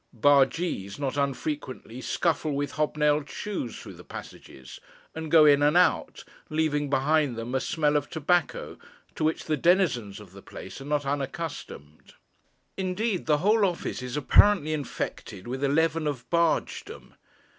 Bargees not unfrequently scuffle with hobnailed shoes through the passages, and go in and out, leaving behind them a smell of tobacco, to which the denizens of the place are not unaccustomed. Indeed, the whole office is apparently infected with a leaven of bargedom.